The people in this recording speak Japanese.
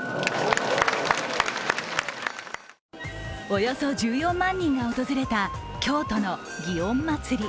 およそ１４万人が訪れた京都の祇園祭。